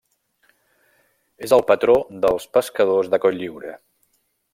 És el patró dels pescadors de Cotlliure.